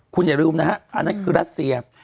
คุณอย่าลืมนะฮะอันนั้นคือรัสเซีย